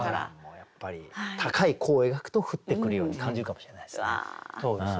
やっぱり高い弧を描くと降ってくるように感じるかもしれないですね。